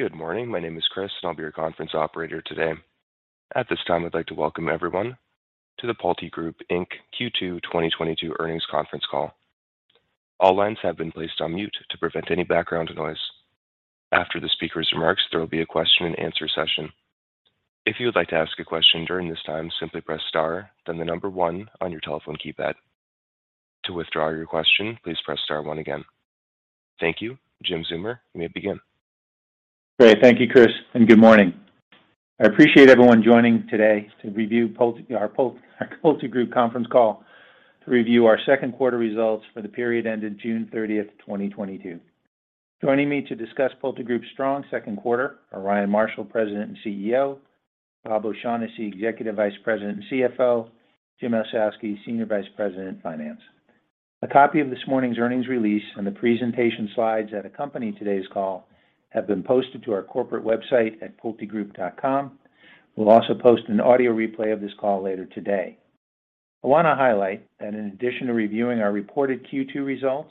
Good morning. My name is Chris, and I'll be your conference operator today. At this time, I'd like to welcome everyone to the PulteGroup, Inc. Q2 2022 earnings conference call. All lines have been placed on mute to prevent any background noise. After the speaker's remarks, there will be a question-and-answer session. If you would like to ask a question during this time, simply press star then the number one on your telephone keypad. To withdraw your question, please press star one again. Thank you. Jim Zeumer, you may begin. Great. Thank you, Chris, and good morning. I appreciate everyone joining today to review our PulteGroup conference call to review our Q2 results for the period ended June 30, 2022. Joining me to discuss PulteGroup's strong Q2 are Ryan Marshall, President and CEO, Bob O'Shaughnessy, Executive Vice President and CFO, Jim Ossowski, Senior Vice President, Finance. A copy of this morning's earnings release and the presentation slides that accompany today's call have been posted to our corporate website at pultegroup.com. We'll also post an audio replay of this call later today. I want to highlight that in addition to reviewing our reported Q2 results,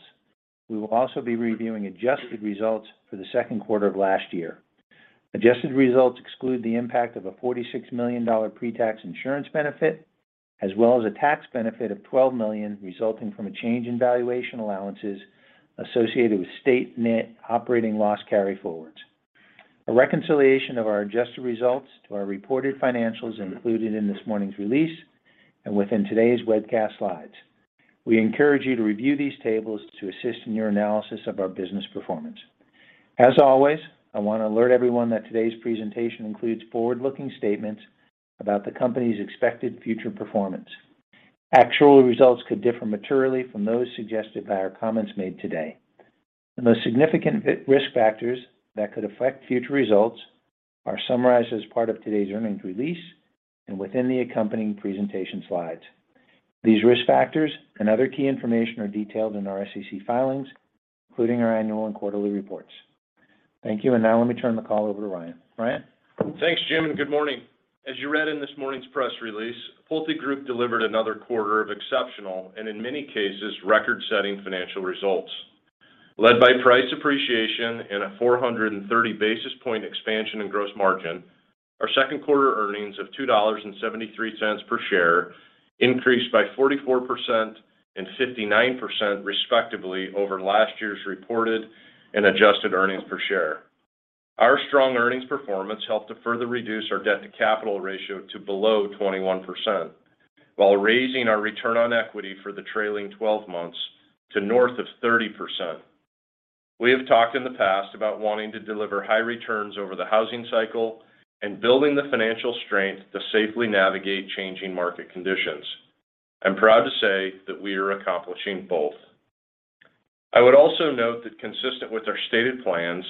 we will also be reviewing adjusted results for the Q2 of last year. Adjusted results exclude the impact of a $46 million pre-tax insurance benefit, as well as a tax benefit of $12 million resulting from a change in valuation allowances associated with state net operating loss carryforwards. A reconciliation of our adjusted results to our reported financials is included in this morning's release and within today's webcast slides. We encourage you to review these tables to assist in your analysis of our business performance. As always, I want to alert everyone that today's presentation includes forward-looking statements about the company's expected future performance. Actual results could differ materially from those suggested by our comments made today. The most significant risk factors that could affect future results are summarized as part of today's earnings release and within the accompanying presentation slides. These risk factors and other key information are detailed in our SEC filings, including our annual and quarterly reports. Thank you. Now let me turn the call over to Ryan. Ryan. Thanks, Jim, and good morning. As you read in this morning's press release, PulteGroup delivered another quarter of exceptional, and in many cases, record-setting financial results. Led by price appreciation and a 430 basis point expansion in gross margin, our Q2 earnings of $2.73 per share increased by 44% and 59% respectively over last year's reported and adjusted earnings per share. Our strong earnings performance helped to further reduce our debt to capital ratio to below 21% while raising our return on equity for the trailing twelve months to more than 30%. We have talked in the past about wanting to deliver high returns over the housing cycle and building the financial strength to safely navigate changing market conditions. I'm proud to say that we are accomplishing both. I would also note that consistent with our stated plans,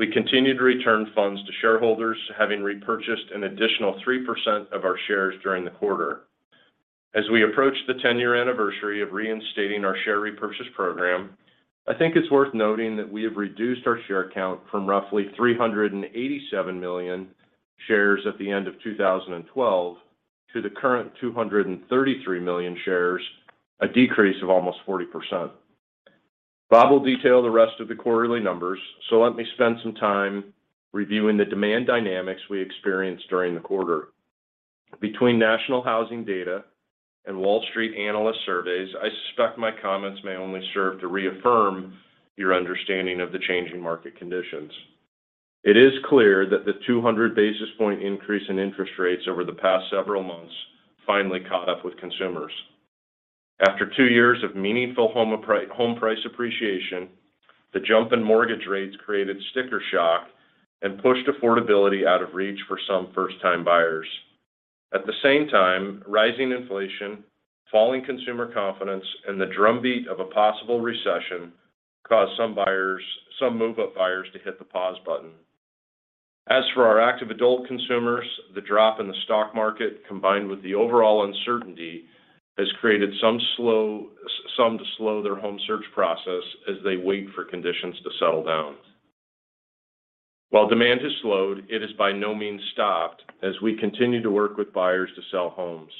we continue to return funds to shareholders, having repurchased an additional 3% of our shares during the quarter. As we approach the 10-year anniversary of reinstating our share repurchase program, I think it's worth noting that we have reduced our share count from roughly 387 million shares at the end of 2012 to the current 233 million shares, a decrease of almost 40%. Bob will detail the rest of the quarterly numbers, so let me spend some time reviewing the demand dynamics we experienced during the quarter. Between national housing data and Wall Street analyst surveys, I suspect my comments may only serve to reaffirm your understanding of the changing market conditions. It is clear that the 200 basis points increase in interest rates over the past several months finally caught up with consumers. After two years of meaningful home price appreciation, the jump in mortgage rates created sticker shock and pushed affordability out of reach for some first-time buyers. At the same time, rising inflation, falling consumer confidence, and the drumbeat of a possible recession caused some move-up buyers to hit the pause button. As for our active adult consumers, the drop in the stock market, combined with the overall uncertainty, has created some to slow their home search process as they wait for conditions to settle down. While demand has slowed, it has by no means stopped as we continue to work with buyers to sell homes.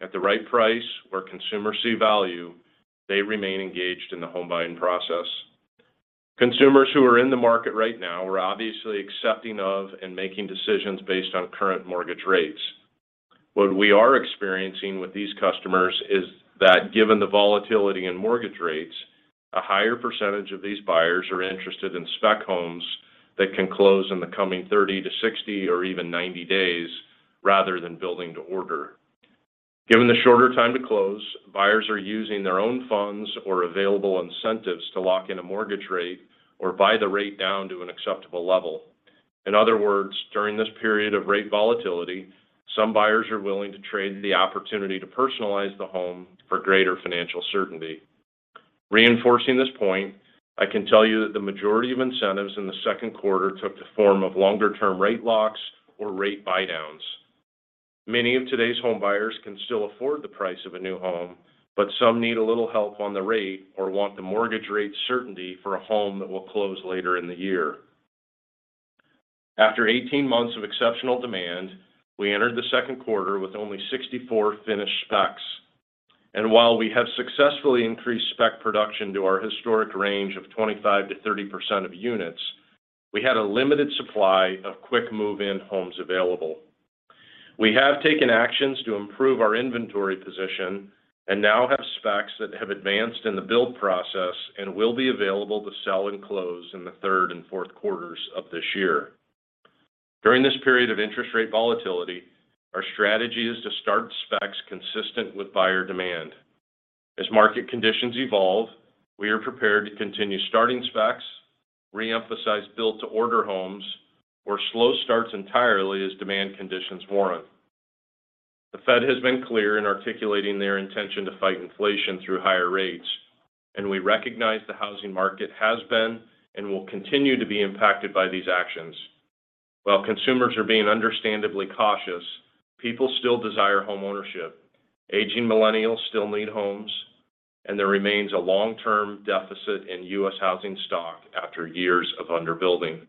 At the right price where consumers see value, they remain engaged in the home buying process. Consumers who are in the market right now are obviously accepting of and making decisions based on current mortgage rates. What we are experiencing with these customers is that given the volatility in mortgage rates, a higher percentage of these buyers are interested in spec homes that can close in the coming 30-60 or even 90 days rather than building to order. Given the shorter time to close, buyers are using their own funds or available incentives to lock in a mortgage rate or buy the rate down to an acceptable level. In other words, during this period of rate volatility, some buyers are willing to trade the opportunity to personalize the home for greater financial certainty. Reinforcing this point, I can tell you that the majority of incentives in the Q2 took the form of longer-term rate locks or rate buydowns. Many of today's home buyers can still afford the price of a new home, but some need a little help on the rate or want the mortgage rate certainty for a home that will close later in the year. After 18 months of exceptional demand, we entered the Q2 with only 64 finished specs. While we have successfully increased spec production to our historic range of 25%-30% of units, we had a limited supply of quick move-in homes available. We have taken actions to improve our inventory position and now have specs that have advanced in the build process and will be available to sell and close in the third and Q4s of this year. During this period of interest rate volatility, our strategy is to start specs consistent with buyer demand. As market conditions evolve, we are prepared to continue starting specs, re-emphasize build to order homes, or slow starts entirely as demand conditions warrant. The Fed has been clear in articulating their intention to fight inflation through higher rates, and we recognize the housing market has been and will continue to be impacted by these actions. While consumers are being understandably cautious, people still desire homeownership. Aging millennials still need homes, and there remains a long-term deficit in U.S. housing stock after years of under-building.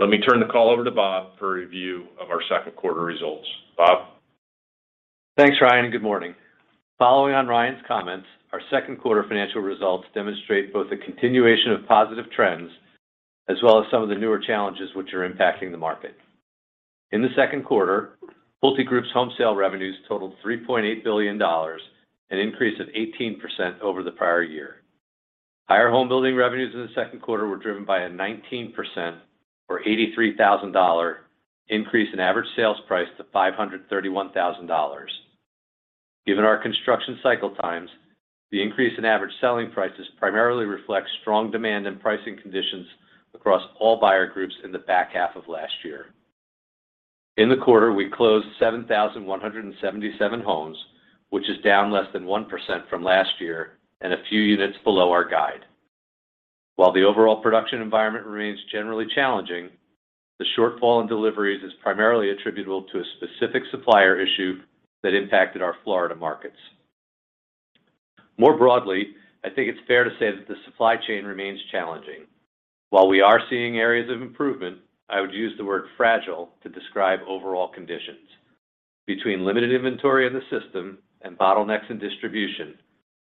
Let me turn the call over to Bob for a review of our Q2 results. Bob? Thanks, Ryan, and good morning. Following on Ryan's comments, our Q2 financial results demonstrate both a continuation of positive trends as well as some of the newer challenges which are impacting the market. In the Q2, PulteGroup's home sale revenues totaled $3.8 billion, an increase of 18% over the prior year. Higher home building revenues in the Q2 were driven by a 19% or $83,000 increase in average sales price to $531,000. Given our construction cycle times, the increase in average selling prices primarily reflects strong demand and pricing conditions across all buyer groups in the back half of last year. In the quarter, we closed 7,177 homes, which is down less than 1% from last year and a few units below our guide. While the overall production environment remains generally challenging, the shortfall in deliveries is primarily attributable to a specific supplier issue that impacted our Florida markets. More broadly, I think it's fair to say that the supply chain remains challenging. While we are seeing areas of improvement, I would use the word fragile to describe overall conditions. Between limited inventory in the system and bottlenecks in distribution,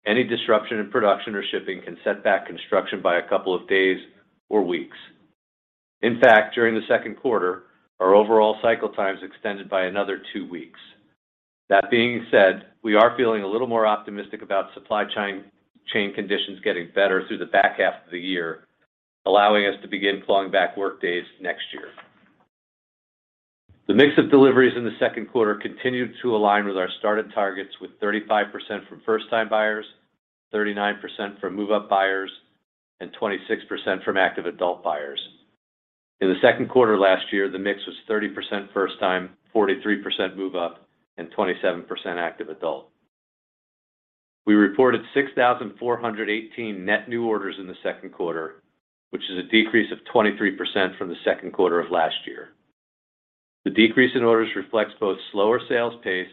any disruption in production or shipping can set back construction by a couple of days or weeks. In fact, during the Q2, our overall cycle times extended by another two weeks. That being said, we are feeling a little more optimistic about supply chain conditions getting better through the back half of the year, allowing us to begin clawing back workdays next year. The mix of deliveries in the Q2 continued to align with our started targets with 35% from first-time buyers, 39% from move-up buyers, and 26% from active adult buyers. In the Q2 last year, the mix was 30% first-time, 43% move-up, and 27% active adult. We reported 6,418 net new orders in the Q2, which is a decrease of 23% from the Q2 of last year. The decrease in orders reflects both slower sales pace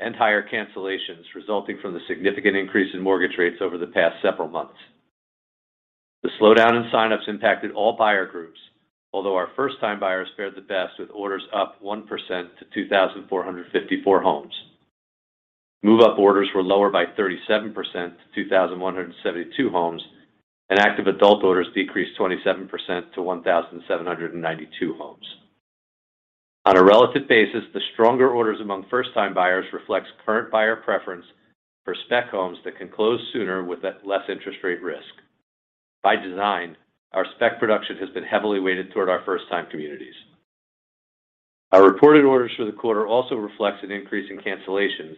and higher cancellations resulting from the significant increase in mortgage rates over the past several months. The slowdown in sign-ups impacted all buyer groups, although our first-time buyers fared the best with orders up 1% to 2,454 homes. Move-up orders were lower by 37% to 2,172 homes, and active adult orders decreased 27% to 1,792 homes. On a relative basis, the stronger orders among first-time buyers reflects current buyer preference for spec homes that can close sooner with less interest rate risk. By design, our spec production has been heavily weighted toward our first-time communities. Our reported orders for the quarter also reflects an increase in cancellations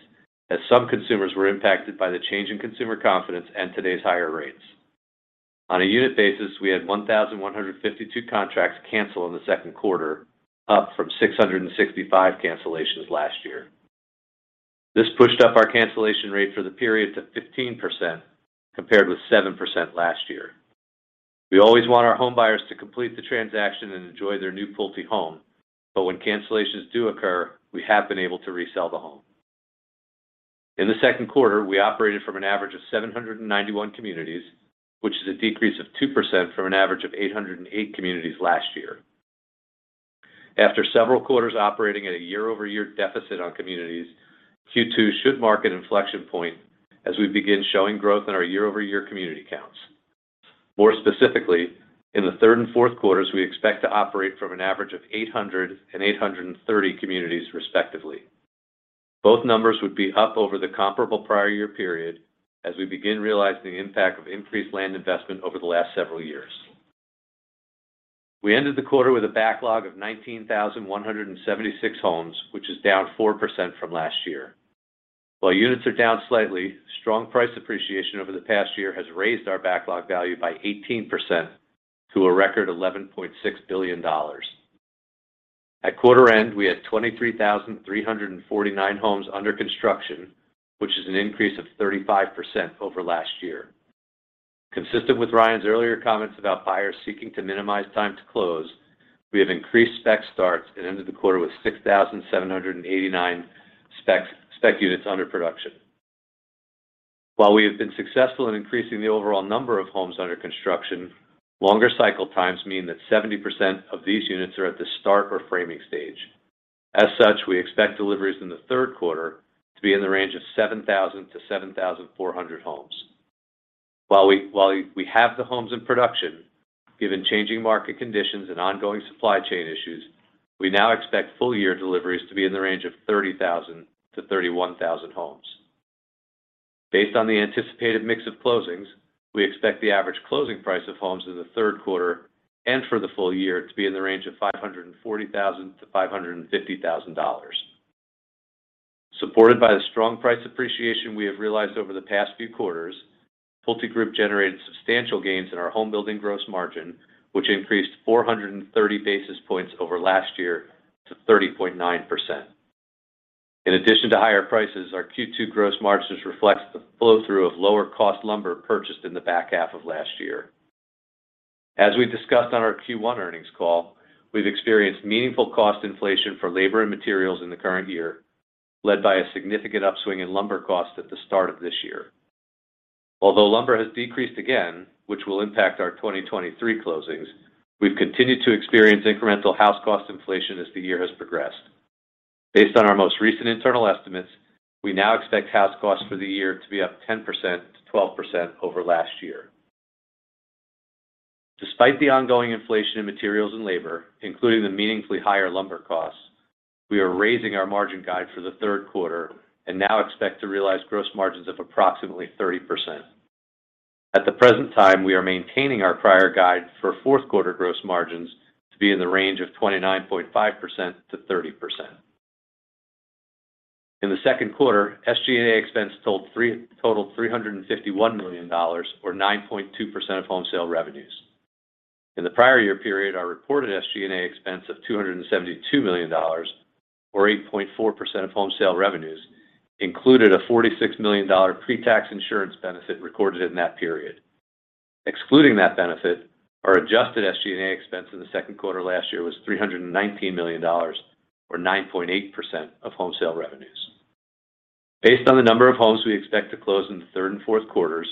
as some consumers were impacted by the change in consumer confidence and today's higher rates. On a unit basis, we had 1,152 contracts cancel in the Q2, up from 665 cancellations last year. This pushed up our cancellation rate for the period to 15% compared with 7% last year. We always want our home buyers to complete the transaction and enjoy their new Pulte home, but when cancellations do occur, we have been able to resell the home. In the Q2, we operated from an average of 791 communities, which is a decrease of 2% from an average of 808 communities last year. After several quarters operating at a quarter-over-quarter deficit on communities, Q2 should mark an inflection point as we begin showing growth in our quarter-over-quarter community counts. More specifically, in the third and Q4s, we expect to operate from an average of 800 and 830 communities, respectively. Both numbers would be up over the comparable prior year period as we begin realizing the impact of increased land investment over the last several years. We ended the quarter with a backlog of 19,176 homes, which is down 4% from last year. While units are down slightly, strong price appreciation over the past year has raised our backlog value by 18% to a record $11.6 billion. At quarter end, we had 23,349 homes under construction, which is an increase of 35% over last year. Consistent with Ryan's earlier comments about buyers seeking to minimize time to close, we have increased spec starts and ended the quarter with 6,789 spec units under production. While we have been successful in increasing the overall number of homes under construction, longer cycle times mean that 70% of these units are at the start or framing stage. As such, we expect deliveries in the Q3 to be in the range of 7,000-7,400 homes. While we have the homes in production, given changing market conditions and ongoing supply chain issues, we now expect full year deliveries to be in the range of 30,000-31,000 homes. Based on the anticipated mix of closings, we expect the average closing price of homes in the Q3 and for the full year to be in the range of $540,000-550,000. Supported by the strong price appreciation we have realized over the past few quarters, PulteGroup generated substantial gains in our homebuilding gross margin, which increased 430 basis points over last year to 30.9%. In addition to higher prices, our Q2 gross margins reflects the flow through of lower cost lumber purchased in the back half of last year. As we discussed on our Q1 earnings call, we've experienced meaningful cost inflation for labor and materials in the current year, led by a significant upswing in lumber costs at the start of this year. Although lumber has decreased again, which will impact our 2023 closings, we've continued to experience incremental house cost inflation as the year has progressed. Based on our most recent internal estimates, we now expect house costs for the year to be up 10%-12% over last year. Despite the ongoing inflation in materials and labor, including the meaningfully higher lumber costs, we are raising our margin guide for the Q3 and now expect to realize gross margins of approximately 30%. At the present time, we are maintaining our prior guide for Q4 gross margins to be in the range of 29.5%-30%. In the Q2, SG&A expense totaled $351 million or 9.2% of home sale revenues. In the prior year period, our reported SG&A expense of $272 million or 8.4% of home sale revenues included a $46 million pre-tax insurance benefit recorded in that period. Excluding that benefit, our adjusted SG&A expense in the Q2 last year was $319 million, or 9.8% of home sale revenues. Based on the number of homes we expect to close in the third and Q4s,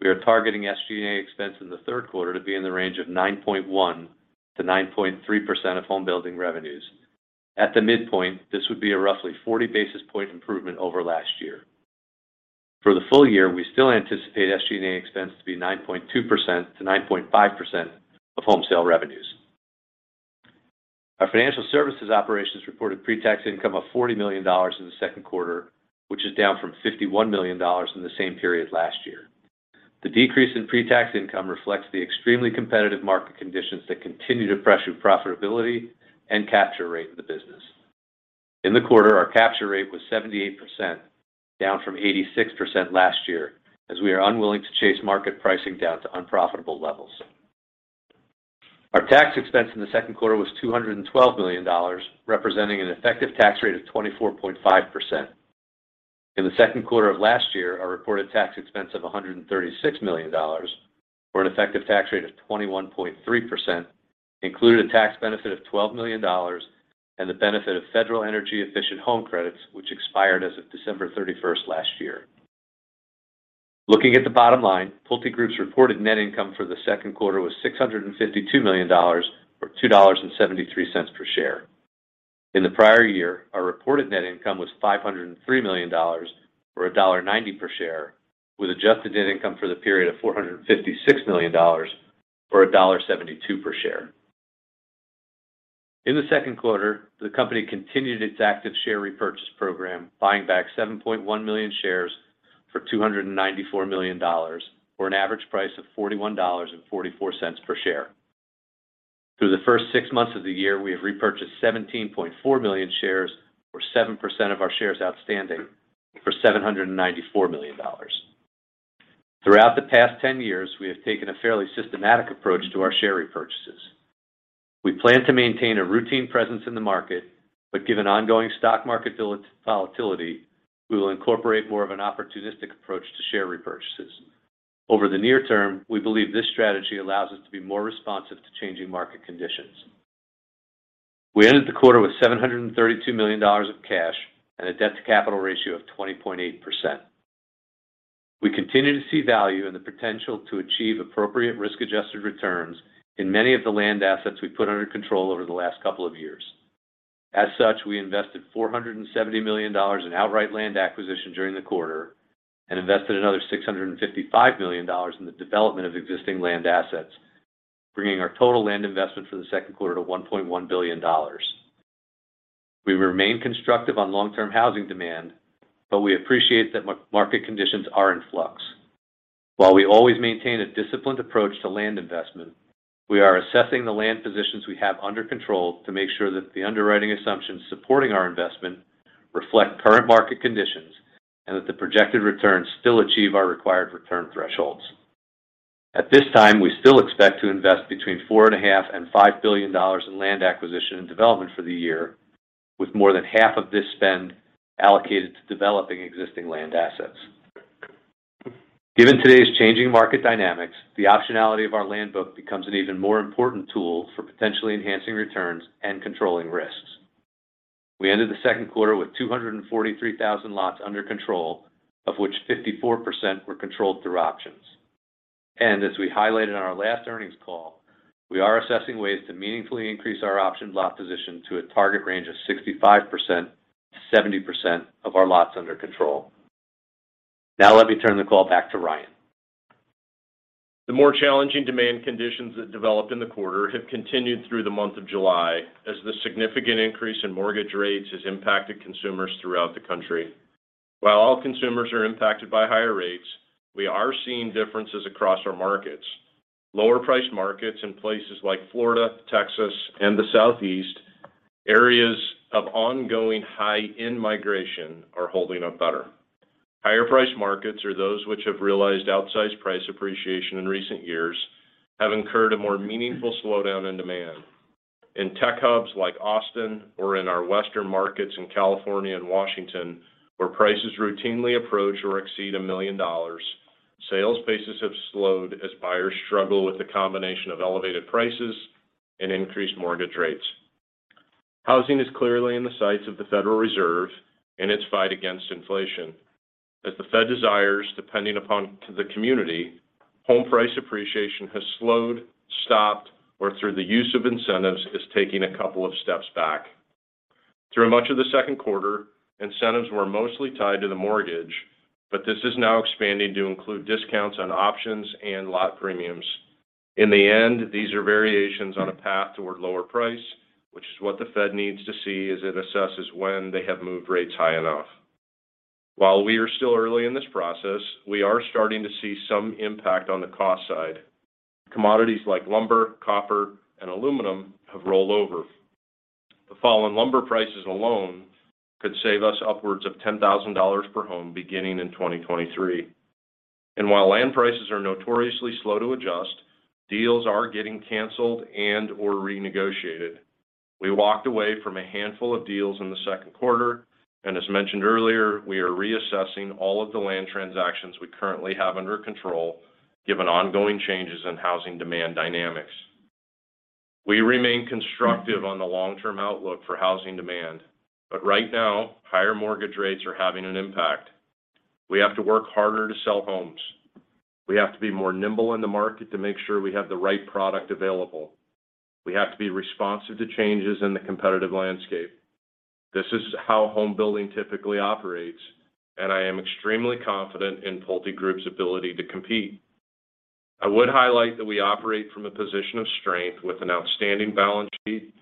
we are targeting SG&A expense in the Q3 to be in the range of 9.1%-9.3% of home building revenues. At the midpoint, this would be a roughly 40 basis points improvement over last year. For the full year, we still anticipate SG&A expense to be 9.2%-9.5% of home sale revenues. Our financial services operations reported pre-tax income of $40 million in the Q2, which is down from $51 million in the same period last year. The decrease in pre-tax income reflects the extremely competitive market conditions that continue to pressure profitability and capture rate of the business. In the quarter, our capture rate was 78%, down from 86% last year as we are unwilling to chase market pricing down to unprofitable levels. Our tax expense in the Q2 was $212 million, representing an effective tax rate of 24.5%. In the Q2 of last year, our reported tax expense of $136 million, or an effective tax rate of 21.3% included a tax benefit of $12 million and the benefit of federal energy efficient home credits, which expired as of December 31 last year. Looking at the bottom line, PulteGroup's reported net income for the Q2 was $652 million, or $2.73 per share. In the prior year, our reported net income was $503 million, or $1.90 per share, with adjusted net income for the period of $456 million, or $1.72 per share. In the Q2, the company continued its active share repurchase program, buying back 7.1 million shares for $294 million, or an average price of $41.44 per share. Through the first six months of the year, we have repurchased 17.4 million shares, or 7% of our shares outstanding for $794 million. Throughout the past 10 years, we have taken a fairly systematic approach to our share repurchases. We plan to maintain a routine presence in the market, but given ongoing stock market volatility, we will incorporate more of an opportunistic approach to share repurchases. Over the near term, we believe this strategy allows us to be more responsive to changing market conditions. We ended the quarter with $732 million of cash and a debt to capital ratio of 20.8%. We continue to see value in the potential to achieve appropriate risk-adjusted returns in many of the land assets we put under control over the last couple of years. As such, we invested $470 million in outright land acquisition during the quarter and invested another $655 million in the development of existing land assets, bringing our total land investment for the Q2 to $1.1 billion. We remain constructive on long-term housing demand, but we appreciate that market conditions are in flux. While we always maintain a disciplined approach to land investment, we are assessing the land positions we have under control to make sure that the underwriting assumptions supporting our investment reflect current market conditions and that the projected returns still achieve our required return thresholds. At this time, we still expect to invest between $4.5 billion and 5 billion in land acquisition and development for the year, with more than half of this spend allocated to developing existing land assets. Given today's changing market dynamics, the optionality of our land book becomes an even more important tool for potentially enhancing returns and controlling risks. We ended the Q2 with 243,000 lots under control, of which 54% were controlled through options. As we highlighted on our last earnings call, we are assessing ways to meaningfully increase our option lot position to a target range of 65%-70% of our lots under control. Now let me turn the call back to Ryan. The more challenging demand conditions that developed in the quarter have continued through the month of July as the significant increase in mortgage rates has impacted consumers throughout the country. While all consumers are impacted by higher rates, we are seeing differences across our markets. Lower priced markets in places like Florida, Texas, and the Southeast, areas of ongoing high-end migration are holding up better. Higher priced markets or those which have realized outsized price appreciation in recent years have incurred a more meaningful slowdown in demand. In tech hubs like Austin or in our western markets in California and Washington, where prices routinely approach or exceed $1 million, sales paces have slowed as buyers struggle with the combination of elevated prices and increased mortgage rates. Housing is clearly in the sights of the Federal Reserve in its fight against inflation. As the Fed desires, depending upon the community, home price appreciation has slowed, stopped, or through the use of incentives, is taking a couple of steps back. Through much of the Q2, incentives were mostly tied to the mortgage, but this is now expanding to include discounts on options and lot premiums. In the end, these are variations on a path toward lower prices, which is what the Fed needs to see as it assesses when they have moved rates high enough. While we are still early in this process, we are starting to see some impact on the cost side. Commodities like lumber, copper, and aluminum have rolled over. The fall in lumber prices alone could save us upwards of $10,000 per home beginning in 2023. While land prices are notoriously slow to adjust, deals are getting canceled and/or renegotiated. We walked away from a handful of deals in the Q2, and as mentioned earlier, we are reassessing all of the land transactions we currently have under control given ongoing changes in housing demand dynamics. We remain constructive on the long-term outlook for housing demand, but right now, higher mortgage rates are having an impact. We have to work harder to sell homes. We have to be more nimble in the market to make sure we have the right product available. We have to be responsive to changes in the competitive landscape. This is how home building typically operates, and I am extremely confident in PulteGroup's ability to compete. I would highlight that we operate from a position of strength with an outstanding balance sheet,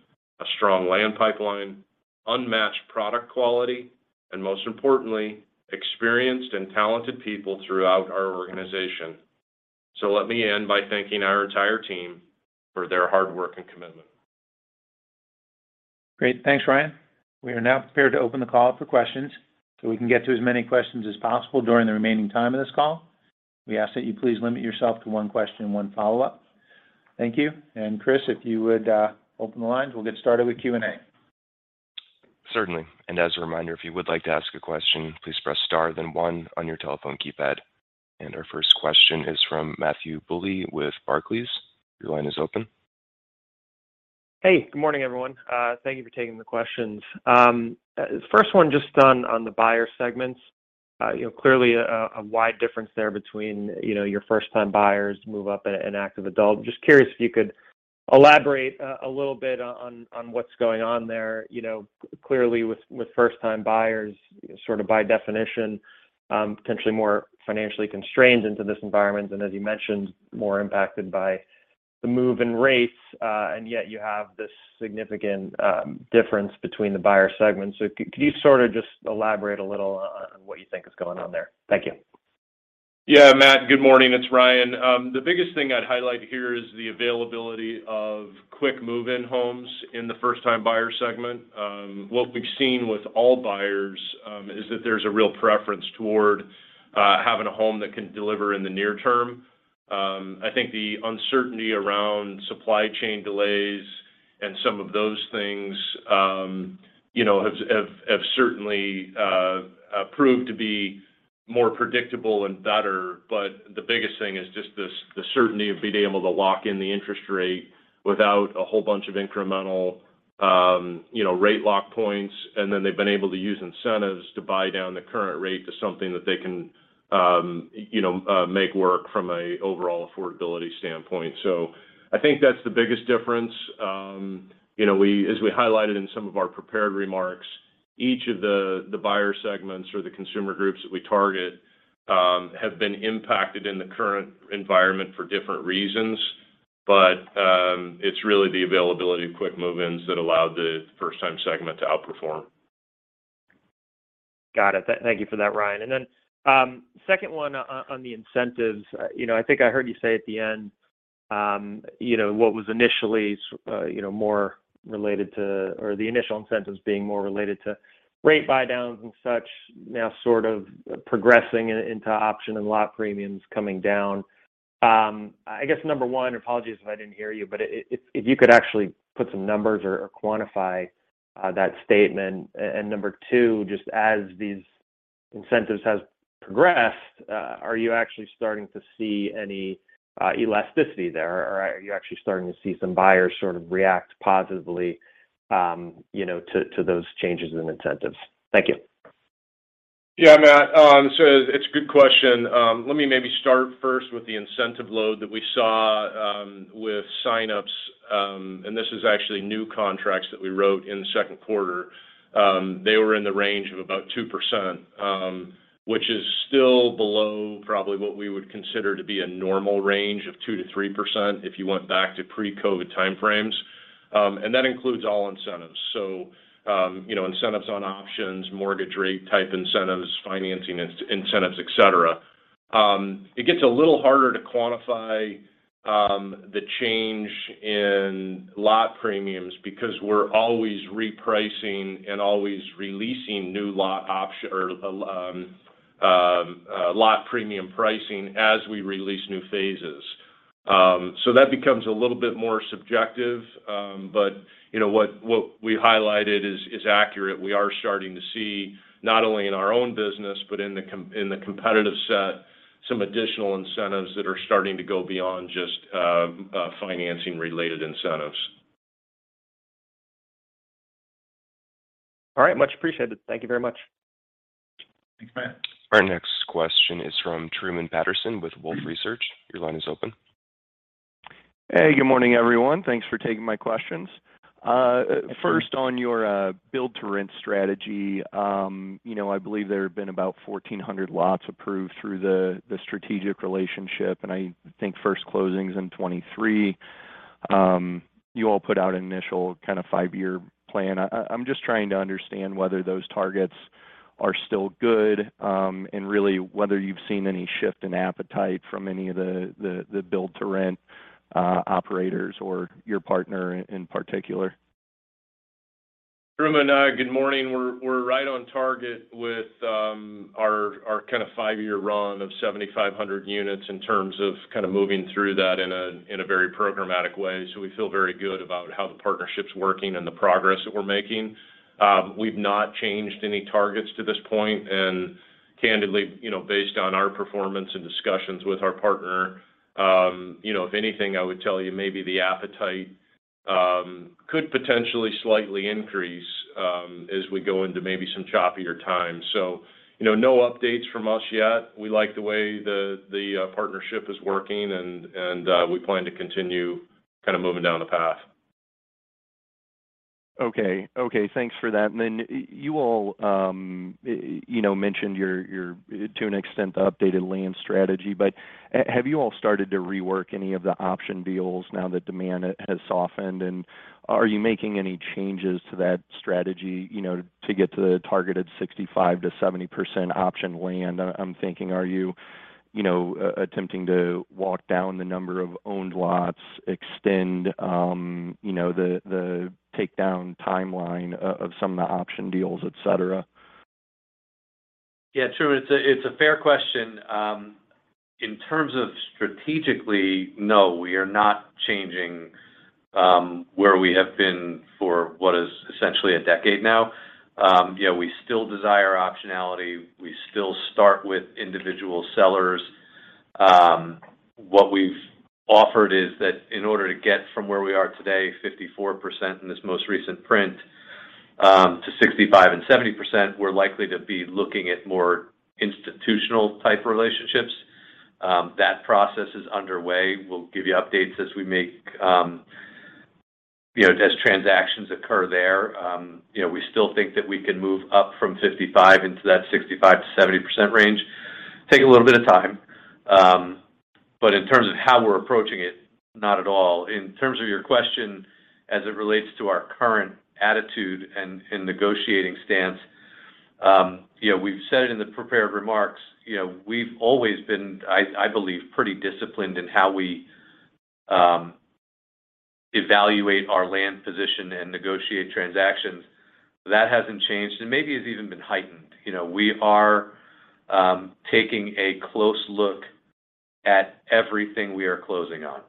a strong land pipeline, unmatched product quality, and most importantly, experienced and talented people throughout our organization. Let me end by thanking our entire team for their hard work and commitment. Great. Thanks, Ryan. We are now prepared to open the call up for questions. We can get to as many questions as possible during the remaining time of this call, we ask that you please limit yourself to one question and one follow-up. Thank you. Chris, if you would, open the lines. We'll get started with Q&A. Certainly. As a reminder, if you would like to ask a question, please press star then one on your telephone keypad. Our first question is from Matthew Bouley with Barclays. Your line is open. Hey, good morning, everyone. Thank you for taking the questions. First one just on the buyer segments. You know, clearly a wide difference there between, you know, your first-time buyers, move-up and active adult. Just curious if you could elaborate a little bit on what's going on there. You know, clearly with first-time buyers, sort of by definition, potentially more financially constrained in this environment and as you mentioned, more impacted by the move in rates, and yet you have this significant difference between the buyer segments. Could you sort of just elaborate a little on what you think is going on there? Thank you. Yeah, Matt. Good morning. It's Ryan. The biggest thing I'd highlight here is the availability of quick move-in homes in the first-time buyer segment. What we've seen with all buyers is that there's a real preference toward having a home that can deliver in the near term. I think the uncertainty around supply chain delays and some of those things, you know, have certainly proved to be more predictable and better. But the biggest thing is just this, the certainty of being able to lock in the interest rate without a whole bunch of incremental, you know, rate lock points. And then they've been able to use incentives to buy down the current rate to something that they can, you know, make work from an overall affordability standpoint. I think that's the biggest difference. You know, as we highlighted in some of our prepared remarks, each of the buyer segments or the consumer groups that we target have been impacted in the current environment for different reasons. It's really the availability of quick move-ins that allowed the first time segment to outperform. Got it. Thank you for that, Ryan. Second one on the incentives. You know, I think I heard you say at the end, you know, what was initially, you know, more related to or the initial incentives being more related to rate buydowns and such now sort of progressing into option and lot premiums coming down. I guess number one, apologies if I didn't hear you, but if you could actually put some numbers or quantify that statement. Number two, just as these incentives has progressed, are you actually starting to see any elasticity there? Or are you actually starting to see some buyers sort of react positively, you know, to those changes in incentives? Thank you. Yeah, Matt. It's a good question. Let me maybe start first with the incentive load that we saw with sign-ups, and this is actually new contracts that we wrote in the Q2. They were in the range of about 2%, which is still below probably what we would consider to be a normal range of 2%-3% if you went back to pre-COVID time frames. That includes all incentives. You know, incentives on options, mortgage rate type incentives, financing incentives, et cetera. It gets a little harder to quantify the change in lot premiums because we're always repricing and always releasing new lot option or lot premium pricing as we release new phases. That becomes a little bit more subjective. You know, what we highlighted is accurate. We are starting to see not only in our own business, but in the competitive set, some additional incentives that are starting to go beyond just financing related incentives. All right. Much appreciated. Thank you very much. Thanks, Matt. Our next question is from Truman Patterson with Wolfe Research. Your line is open. Hey, good morning, everyone. Thanks for taking my questions. First on your build-to-rent strategy, you know, I believe there have been about 1,400 lots approved through the strategic relationship, and I think first closing is in 2023. You all put out an initial kind of five-year plan. I'm just trying to understand whether those targets are still good, and really whether you've seen any shift in appetite from any of the build-to-rent operators or your partner in particular. Truman, good morning. We're right on target with our kind of five-year run of 7,500 units in terms of kind of moving through that in a very programmatic way. We feel very good about how the partnership's working and the progress that we're making. We've not changed any targets to this point. Candidly, you know, based on our performance and discussions with our partner, you know, if anything, I would tell you maybe the appetite could potentially slightly increase as we go into maybe some choppier times. You know, no updates from us yet. We like the way the partnership is working and we plan to continue kind of moving down the path. Okay. Okay, thanks for that. Then you all, you know, mentioned your to an extent the updated land strategy. Have you all started to rework any of the option deals now that demand has softened? Are you making any changes to that strategy, you know, to get to the targeted 65%-70% option land? I'm thinking, are you know, attempting to walk down the number of owned lots, extend, you know, the takedown timeline of some of the option deals, et cetera? Yeah, true. It's a fair question. In terms of strategically, no, we are not changing where we have been for what is essentially a decade now. You know, we still desire optionality. We still start with individual sellers. What we've offered is that in order to get from where we are today, 54% in this most recent print, to 65% and 70%, we're likely to be looking at more institutional type relationships. That process is underway. We'll give you updates as we make, you know, as transactions occur there. You know, we still think that we can move up from 55 into that 65%-70% range. Take a little bit of time. But in terms of how we're approaching it, not at all. In terms of your question as it relates to our current attitude and negotiating stance, you know, we've said it in the prepared remarks, you know, we've always been, I believe, pretty disciplined in how we evaluate our land position and negotiate transactions. That hasn't changed, and maybe it's even been heightened. You know, we are taking a close look at everything we are closing on.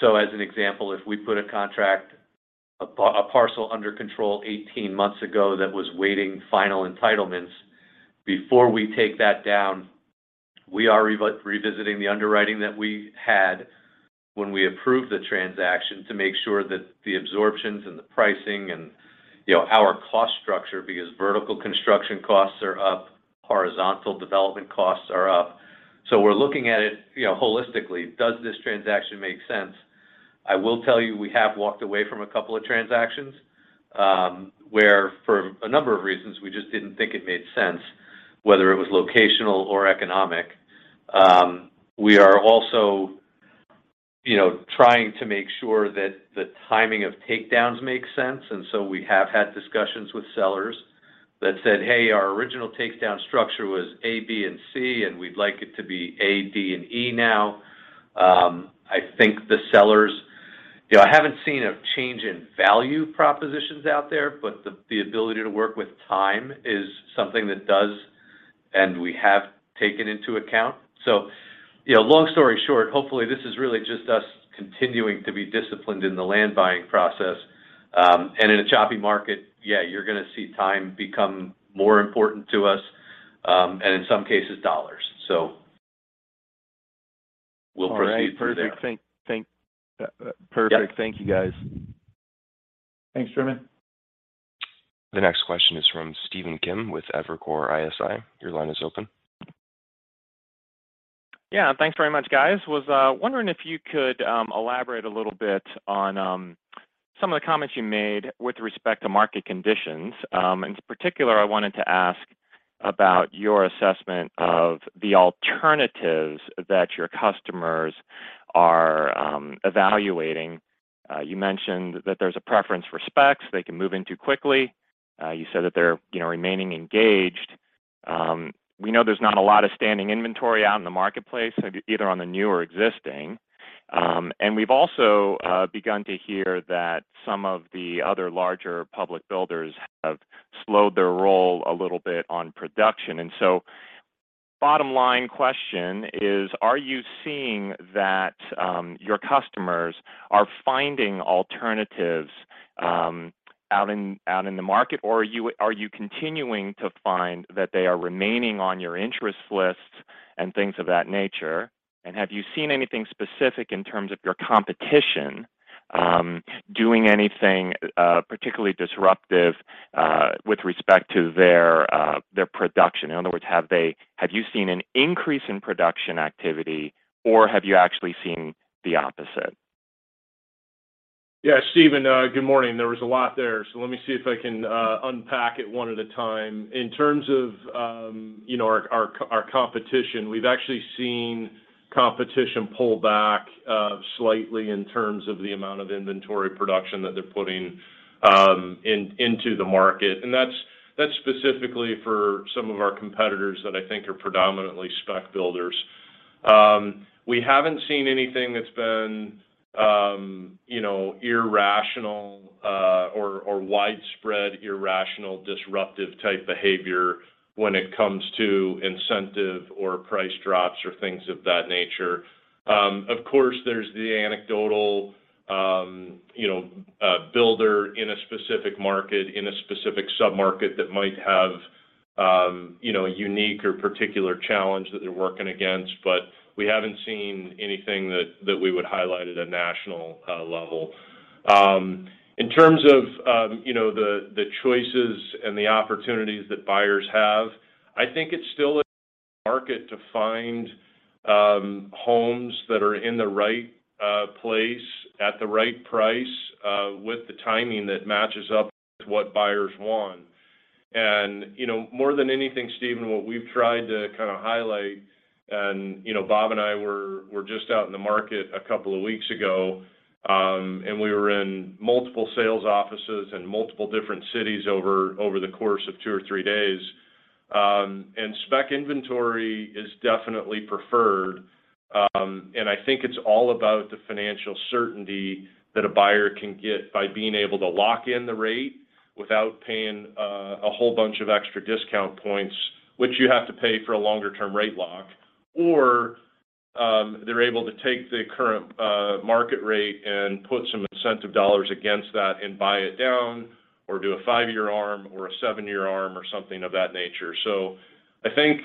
So as an example, if we put a contract, a parcel under control 18 months ago that was waiting final entitlements, before we take that down, we are revisiting the underwriting that we had when we approved the transaction to make sure that the absorptions and the pricing and, you know, our cost structure, because vertical construction costs are up, horizontal development costs are up. So we're looking at it, you know, holistically. Does this transaction make sense? I will tell you, we have walked away from a couple of transactions, where for a number of reasons, we just didn't think it made sense, whether it was locational or economic. We are also, you know, trying to make sure that the timing of takedowns makes sense. We have had discussions with sellers that said, "Hey, our original takedown structure was A, B, and C, and we'd like it to be A, D, and E now." I think the sellers. You know, I haven't seen a change in value propositions out there, but the ability to work with time is something that does and we have taken into account. You know, long story short, hopefully this is really just us continuing to be disciplined in the land buying process. In a choppy market, yeah, you're gonna see time become more important to us, and in some cases, dollars. We'll proceed through there. All right. Perfect. Perfect. Yeah. Thank you, guys. Thanks, Truman. The next question is from Stephen Kim with Evercore ISI. Your line is open. Yeah. Thanks very much, guys. I was wondering if you could elaborate a little bit on some of the comments you made with respect to market conditions. In particular, I wanted to ask about your assessment of the alternatives that your customers are evaluating. You mentioned that there's a preference for specs they can move into quickly. You said that they're, you know, remaining engaged. We know there's not a lot of standing inventory out in the marketplace, either on the new or existing. We've also begun to hear that some of the other larger public builders have slowed their roll a little bit on production. Bottom line question is, are you seeing that your customers are finding alternatives out in the market, or are you continuing to find that they are remaining on your interest lists and things of that nature? Have you seen anything specific in terms of your competition doing anything particularly disruptive with respect to their production? In other words, have you seen an increase in production activity, or have you actually seen the opposite? Yeah. Stephen, good morning. There was a lot there, so let me see if I can unpack it one at a time. In terms of, you know, our competition, we've actually seen competition pull back slightly in terms of the amount of inventory production that they're putting into the market, and that's specifically for some of our competitors that I think are predominantly spec builders. We haven't seen anything that's been, you know, irrational or widespread irrational disruptive type behavior when it comes to incentive or price drops or things of that nature. Of course, there's the anecdotal, you know, builder in a specific market, in a specific sub-market that might have, you know, a unique or particular challenge that they're working against, but we haven't seen anything that we would highlight at a national level. In terms of, you know, the choices and the opportunities that buyers have, I think it's still a market to find, homes that are in the right place at the right price, with the timing that matches up with what buyers want. You know, more than anything, Stephen, what we've tried to kind of highlight, and, you know, Bob and I were just out in the market a couple of weeks ago, and we were in multiple sales offices in multiple different cities over the course of two or three days. Spec inventory is definitely preferred, and I think it's all about the financial certainty that a buyer can get by being able to lock in the rate without paying a whole bunch of extra discount points, which you have to pay for a longer-term rate lock. They're able to take the current market rate and put some incentive dollars against that and buy it down or do a five-year ARM or a seven-year ARM or something of that nature. I think,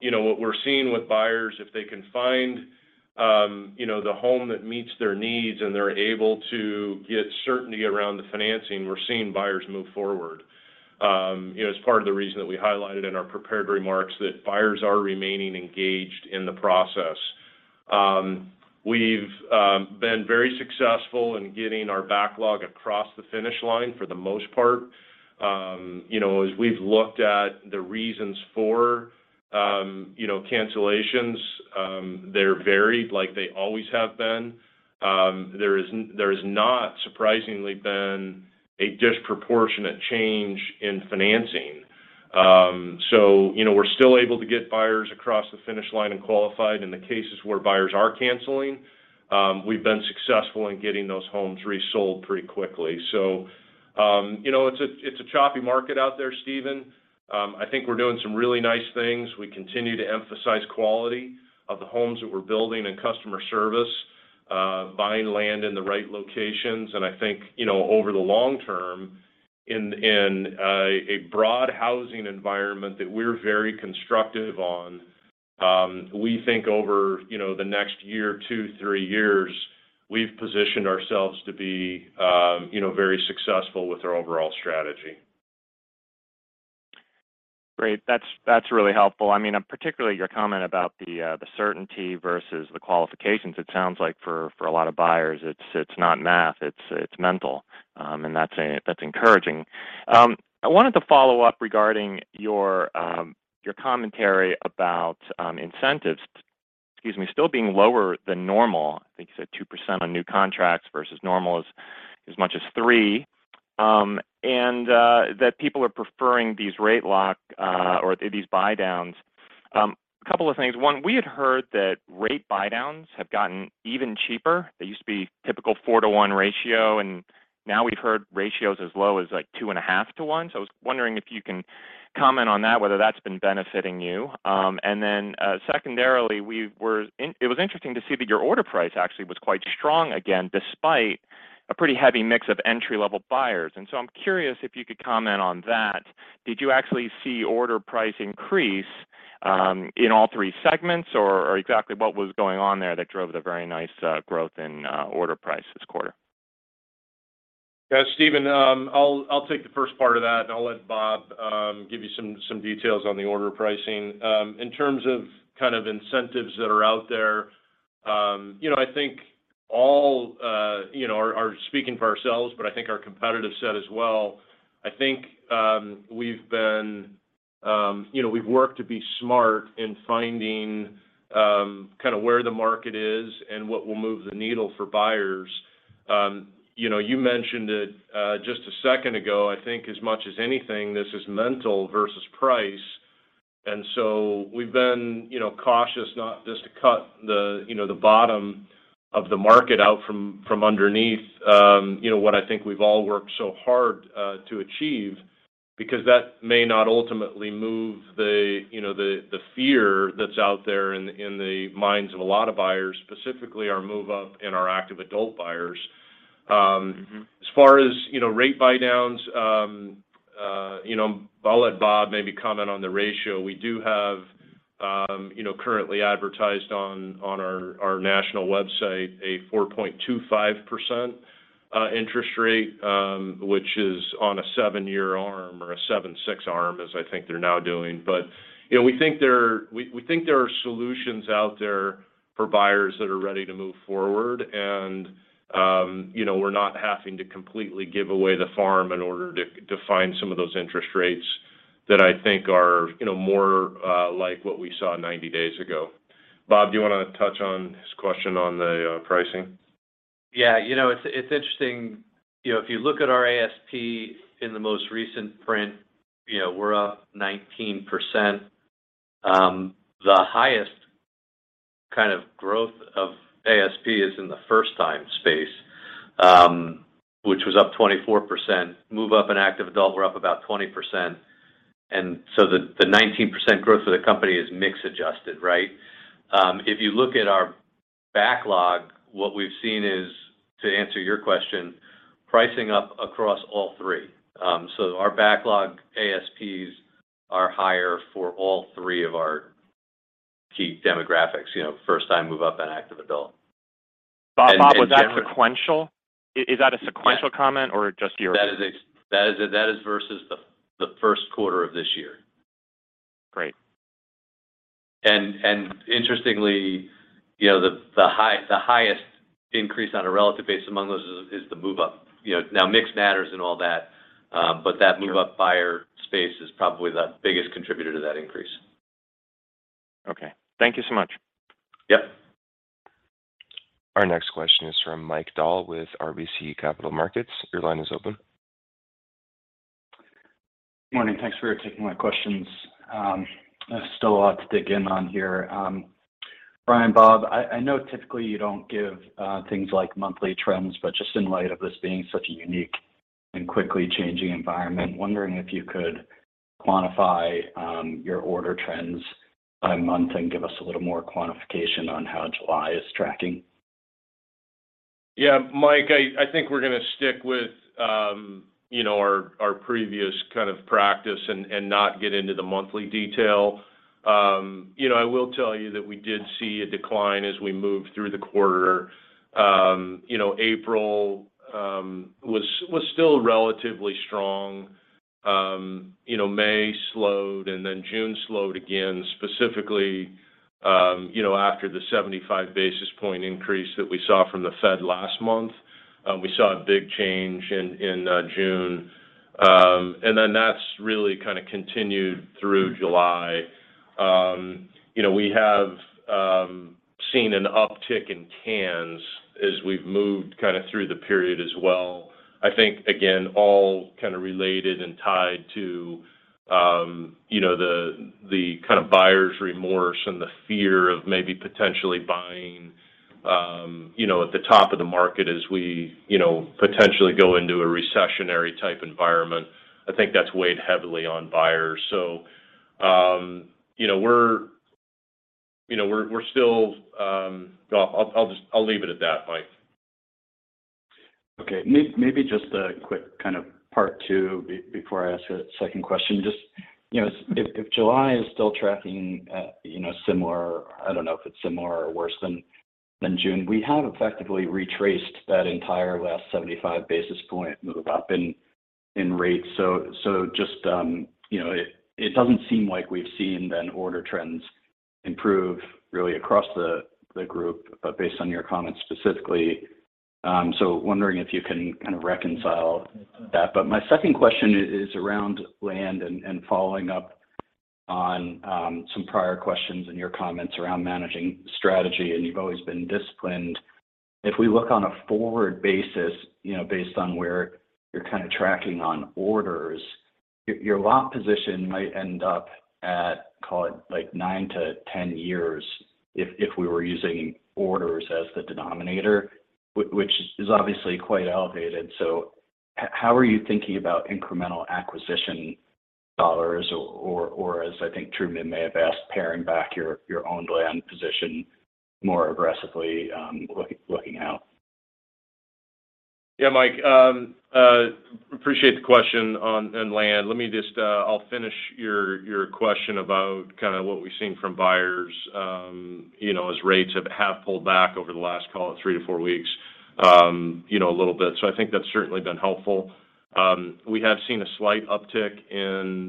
you know, what we're seeing with buyers, if they can find, you know, the home that meets their needs and they're able to get certainty around the financing, we're seeing buyers move forward. You know, it's part of the reason that we highlighted in our prepared remarks that buyers are remaining engaged in the process. We've been very successful in getting our backlog across the finish line for the most part. You know, as we've looked at the reasons for, you know, cancellations, they're varied like they always have been. There has not surprisingly been a disproportionate change in financing. You know, we're still able to get buyers across the finish line and qualified. In the cases where buyers are canceling, we've been successful in getting those homes resold pretty quickly. You know, it's a choppy market out there, Stephen. I think we're doing some really nice things. We continue to emphasize quality of the homes that we're building and customer service, buying land in the right locations. I think, you know, over the long term, in a broad housing environment that we're very constructive on, we think over, you know, the next year or two, three years, we've positioned ourselves to be, you know, very successful with our overall strategy. Great. That's really helpful. I mean, particularly your comment about the certainty versus the qualifications. It sounds like for a lot of buyers, it's not math, it's mental. That's encouraging. I wanted to follow up regarding your commentary about incentives, excuse me, still being lower than normal. I think you said 2% on new contracts versus normal is as much as 3%, and that people are preferring these rate lock or these buydowns. Couple of things. One, we had heard that rate buydowns have gotten even cheaper. They used to be typical 4-to-1 ratio, and now we've heard ratios as low as, like, 2.5-to-1. I was wondering if you can comment on that, whether that's been benefiting you. It was interesting to see that your order price actually was quite strong again despite a pretty heavy mix of entry-level buyers. I'm curious if you could comment on that. Did you actually see order price increase in all three segments, or exactly what was going on there that drove the very nice growth in order price this quarter? Yeah, Stephen, I'll take the first part of that, and I'll let Bob give you some details on the order pricing. In terms of kind of incentives that are out there, you know, I think all you know are speaking for ourselves, but I think our competitive set as well. I think we've been, you know, we've worked to be smart in finding kind of where the market is and what will move the needle for buyers. You know, you mentioned it just a second ago, I think as much as anything, this is mental versus price. We've been, you know, cautious not just to cut the, you know, the bottom of the market out from underneath, you know, what I think we've all worked so hard to achieve because that may not ultimately move the, you know, the fear that's out there in the minds of a lot of buyers, specifically our move up and our active adult buyers. Mm-hmm. As far as, you know, rate buydowns, I'll let Bob maybe comment on the ratio. We do have, you know, currently advertised on our national website a 4.25% interest rate, which is on a seven-year ARM or a 7/6 ARM as I think they're now doing. You know, we think there are solutions out there for buyers that are ready to move forward and, you know, we're not having to completely give away the farm in order to find some of those interest rates that I think are, you know, more like what we saw 90 days ago. Bob, do you wanna touch on his question on the pricing? Yeah. You know, it's interesting. You know, if you look at our ASP in the most recent print, you know, we're up 19%. The highest kind of growth of ASP is in the first time space, which was up 24%. Move up and active adult were up about 20%. The 19% growth for the company is mix adjusted, right? If you look at our backlog, what we've seen is, to answer your question, pricing up across all three. Our backlog ASPs are higher for all three of our key demographics, you know, first time, move up, and active adult. Bob, was that sequential? Is that a sequential comment or just your- That is versus the Q1 of this year. Great. Interestingly, you know, the highest increase on a relative basis among those is the move up. You know, now mix matters and all that, but that move-up buyer space is probably the biggest contributor to that increase. Okay. Thank you so much. Yep. Our next question is from Michael Dahl with RBC Capital Markets. Your line is open. Morning. Thanks for taking my questions. There's still a lot to dig in on here. Brian, Bob, I know typically you don't give things like monthly trends, but just in light of this being such a unique and quickly changing environment, wondering if you could quantify your order trends by month and give us a little more quantification on how July is tracking. Yeah, Mike, I think we're gonna stick with, you know, our previous kind of practice and not get into the monthly detail. I will tell you that we did see a decline as we moved through the quarter. You know, April was still relatively strong. You know, May slowed, and then June slowed again, specifically, after the 75 basis point increase that we saw from the Fed last month. We saw a big change in June. That's really kinda continued through July. You know, we have seen an uptick in cans as we've moved kinda through the period as well. I think, again, all kinda related and tied to, you know, the kind of buyer's remorse and the fear of maybe potentially buying, you know, at the top of the market as we, you know, potentially go into a recessionary type environment. I think that's weighed heavily on buyers. Well, I'll just leave it at that, Mike. Okay. Maybe just a quick kind of part two before I ask a second question. Just, you know, if July is still tracking at, you know, similar, I don't know if it's similar or worse than June, we have effectively retraced that entire last 75 basis point move up in rates. Just, you know, it doesn't seem like we've seen net order trends improve really across the group based on your comments specifically. Wondering if you can kind of reconcile that. My second question is around land and following up on some prior questions and your comments around managing strategy, and you've always been disciplined. If we look on a forward basis, you know, based on where you're kind of tracking on orders, your lot position might end up at, call it, like, nine-10 years if we were using orders as the denominator, which is obviously quite elevated. How are you thinking about incremental acquisition dollars, or as I think Truman may have asked, paring back your own land position more aggressively, looking out? Yeah, Mike, appreciate the question on in land. Let me just, I'll finish your question about kind of what we've seen from buyers, you know, as rates have pulled back over the last, call it, three-four weeks, you know, a little bit. I think that's certainly been helpful. We have seen a slight uptick in,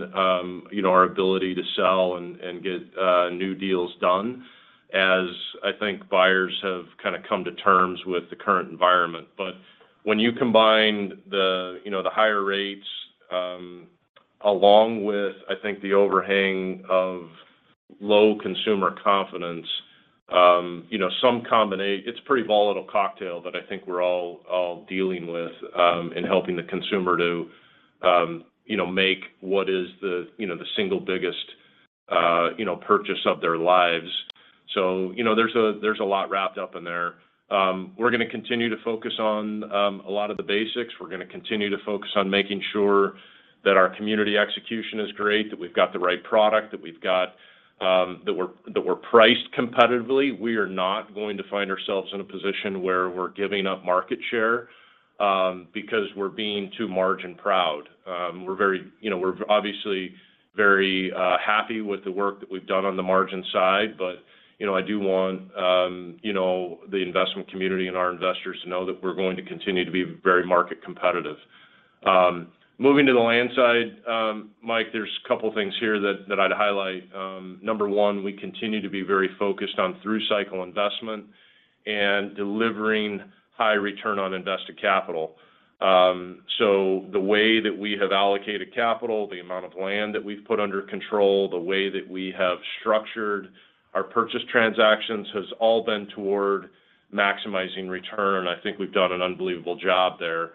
you know, our ability to sell and get new deals done as I think buyers have kind of come to terms with the current environment. When you combine the higher rates along with the overhang of low consumer confidence, you know, it's a pretty volatile cocktail that I think we're all dealing with in helping the consumer to make what is the single biggest purchase of their lives. You know, there's a lot wrapped up in there. We're gonna continue to focus on a lot of the basics. We're gonna continue to focus on making sure that our community execution is great, that we've got the right product, that we've got that we're priced competitively. We are not going to find ourselves in a position where we're giving up market share because we're being too margin proud. We're very... You know, we're obviously very happy with the work that we've done on the margin side, but you know, I do want you know, the investment community and our investors to know that we're going to continue to be very market competitive. Moving to the land side, Mike, there's a couple things here that I'd highlight. Number one, we continue to be very focused on through-cycle investment and delivering high return on invested capital. So the way that we have allocated capital, the amount of land that we've put under control, the way that we have structured our purchase transactions, has all been toward maximizing return. I think we've done an unbelievable job there.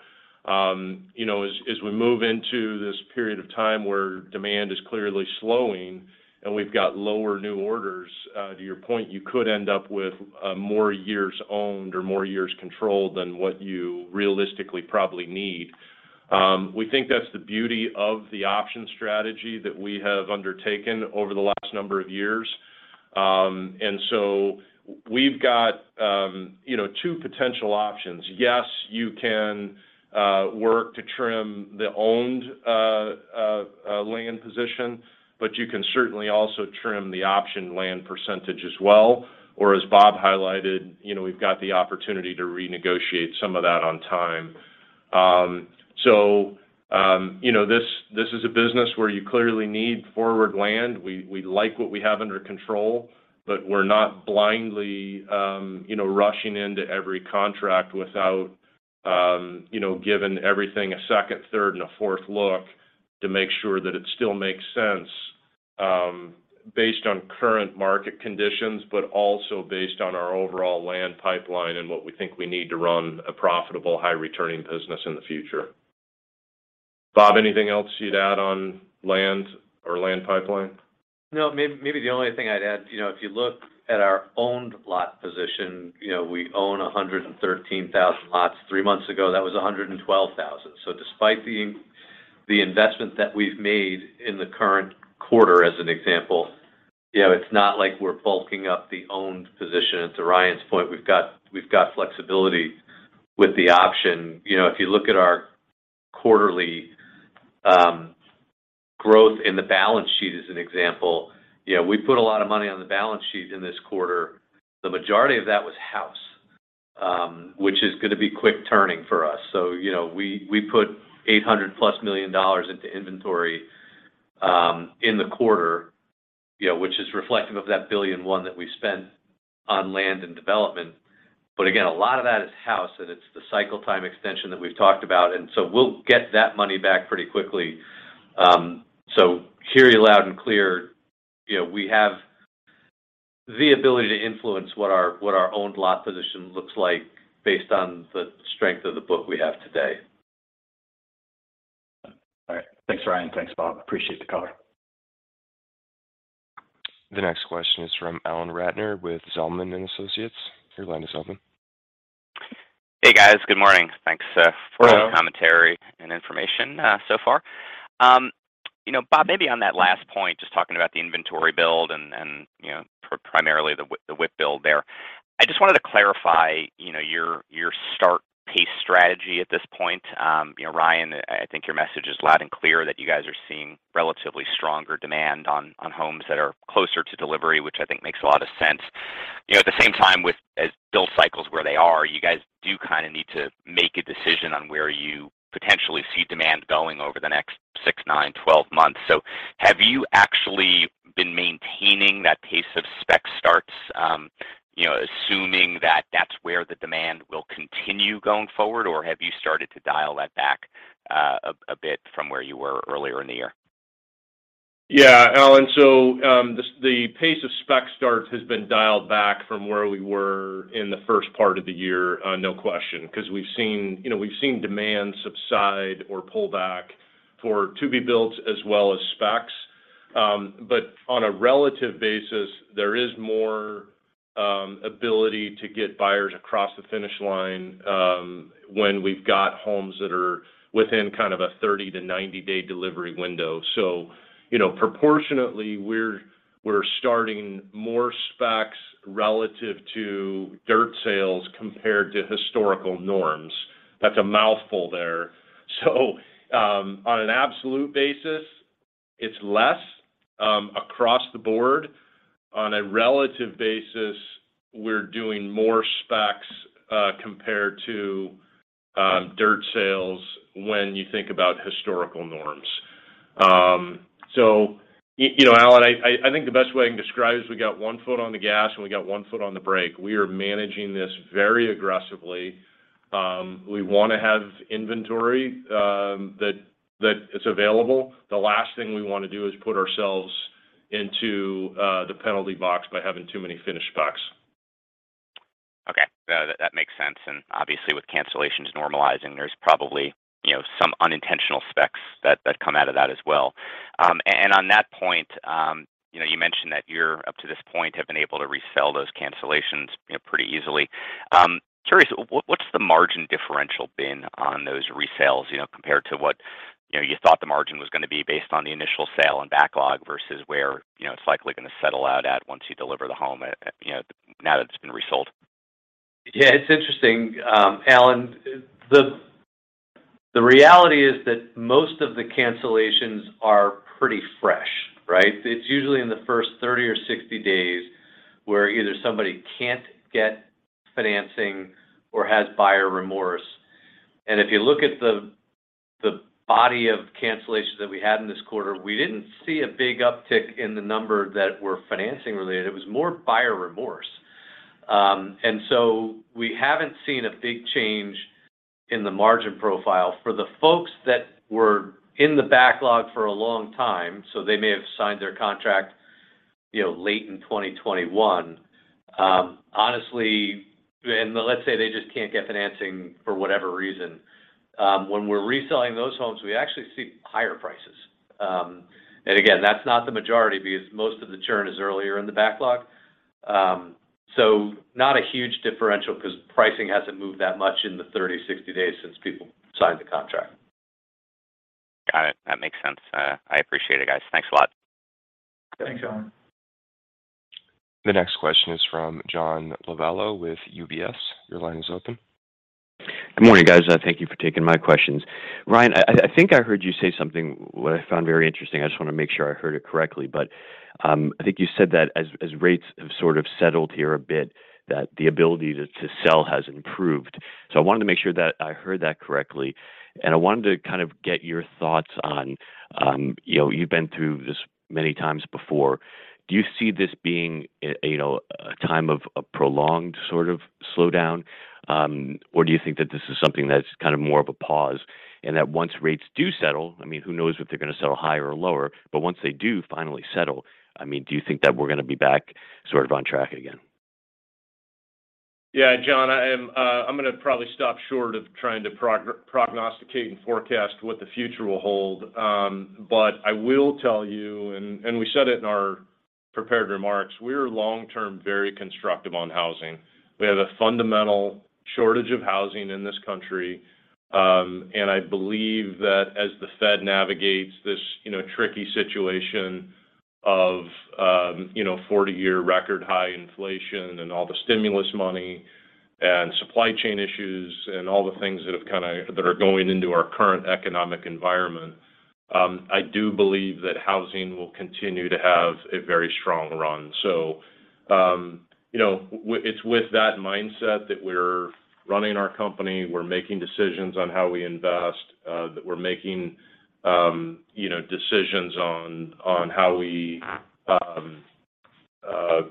You know, as we move into this period of time where demand is clearly slowing and we've got lower new orders, to your point, you could end up with more years owned or more years controlled than what you realistically probably need. We think that's the beauty of the option strategy that we have undertaken over the last number of years. We've got you know, two potential options. Yes, you can work to trim the owned land position, but you can certainly also trim the option land percentage as well. Or as Bob highlighted, you know, we've got the opportunity to renegotiate some of that on time. You know, this is a business where you clearly need forward land. We like what we have under control, but we're not blindly, you know, rushing into every contract without, you know, giving everything a second, third, and a fourth look to make sure that it still makes sense, based on current market conditions, but also based on our overall land pipeline and what we think we need to run a profitable, high-returning business in the future. Bob, anything else you'd add on land or land pipeline? No. Maybe the only thing I'd add, you know, if you look at our owned lot position, you know, we own 113,000 lots. Three months ago, that was 112,000. Despite the investment that we've made in the current quarter as an example, you know, it's not like we're bulking up the owned position. To Ryan's point, we've got flexibility with the option. You know, if you look at our quarterly growth in the balance sheet as an example, you know, we put a lot of money on the balance sheet in this quarter. The majority of that was houses, which is gonna be quick turning for us. You know, we put $800+ million into inventory in the quarter, you know, which is reflective of that $1 billion that we spent on land and development. But again, a lot of that is house, and it's the cycle time extension that we've talked about, and so we'll get that money back pretty quickly. Hearing you loud and clear, you know, we have the ability to influence what our owned lot position looks like based on the strength of the book we have today. All right. Thanks, Ryan. Thanks, Bob. Appreciate the color. The next question is from Alan Ratner with Zelman & Associates. Your line is open. Hey, guys. Good morning. Thanks. Hello For all the commentary and information so far. You know, Bob, maybe on that last point, just talking about the inventory build and you know, primarily the WIP build there. I just wanted to clarify, you know, your start pace strategy at this point. You know, Ryan, I think your message is loud and clear that you guys are seeing relatively stronger demand on homes that are closer to delivery, which I think makes a lot of sense. You know, at the same time, with as build cycles where they are, you guys do kind of need to make a decision on where you potentially see demand going over the next six, nine, twelve months. Have you actually been maintaining that pace of spec starts, you know, assuming that that's where the demand will continue going forward? Have you started to dial that back, a bit from where you were earlier in the year? Yeah, Alan. The pace of spec starts has been dialed back from where we were in the first part of the year, no question, 'cause we've seen, you know, we've seen demand subside or pull back for to-be builds as well as specs. On a relative basis, there is more ability to get buyers across the finish line, when we've got homes that are within kind of a 30-90-day delivery window. You know, proportionately, we're starting more specs relative to dirt sales compared to historical norms. That's a mouthful there. On an absolute basis, it's less across the board. On a relative basis, we're doing more specs compared to dirt sales when you think about historical norms. You know, Alan, I think the best way I can describe is we got one foot on the gas and we got one foot on the brake. We are managing this very aggressively. We wanna have inventory that it's available. The last thing we wanna do is put ourselves into the penalty box by having too many finished specs. Okay. Yeah, that makes sense, and obviously with cancellations normalizing, there's probably, you know, some unintentional specs that come out of that as well. On that point, you know, you mentioned that you're up to this point have been able to resell those cancellations, you know, pretty easily. Curious, what's the margin differential been on those resales, you know, compared to what, you know, you thought the margin was gonna be based on the initial sale and backlog versus where, you know, it's likely gonna settle out at once you deliver the home, you know, now that it's been resold? Yeah, it's interesting, Alan. The reality is that most of the cancellations are pretty fresh, right? It's usually in the first 30 or 60 days where either somebody can't get financing or has buyer remorse. If you look at the body of cancellations that we had in this quarter, we didn't see a big uptick in the number that were financing related. It was more buyer remorse. We haven't seen a big change in the margin profile. For the folks that were in the backlog for a long time, so they may have signed their contract, you know, late in 2021, honestly, and let's say they just can't get financing for whatever reason, when we're reselling those homes, we actually see higher prices. Again, that's not the majority because most of the churn is earlier in the backlog. Not a huge differential because pricing hasn't moved that much in the 30, 60 days since people signed the contract. Got it. That makes sense. I appreciate it, guys. Thanks a lot. Thanks, Alan. The next question is from John Lovallo with UBS. Your line is open. Good morning, guys. Thank you for taking my questions. Ryan, I think I heard you say something, what I found very interesting. I just wanna make sure I heard it correctly. I think you said that as rates have sort of settled here a bit, that the ability to sell has improved. I wanted to make sure that I heard that correctly, and I wanted to kind of get your thoughts on, you know, you've been through this many times before. Do you see this being, you know, a time of a prolonged sort of slowdown? do you think that this is something that's kind of more of a pause, and that once rates do settle, I mean, who knows if they're gonna settle higher or lower, but once they do finally settle, I mean, do you think that we're gonna be back sort of on track again? Yeah. John, I am. I'm gonna probably stop short of trying to prognosticate and forecast what the future will hold. I will tell you, and we said it in our prepared remarks, we're long-term very constructive on housing. We have a fundamental shortage of housing in this country. I believe that as the Fed navigates this, you know, tricky situation of, you know, 40-year record high inflation and all the stimulus money and supply chain issues and all the things that have kinda that are going into our current economic environment, I do believe that housing will continue to have a very strong run. It's with that mindset that we're running our company, we're making decisions on how we invest, that we're making, you know, decisions on how we,